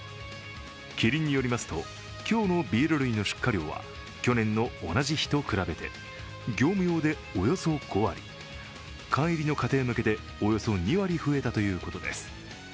キリンによりますと、今日のビール類の出荷量は去年の同じ日と比べて業務用でおよそ５割缶入りの家庭向けでおよそ２割増えたということです。